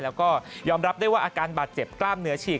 แล้วก็ยอมรับได้ว่าอาการบาดเจ็บกล้ามเนื้อฉีก